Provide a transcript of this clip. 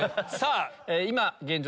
今現状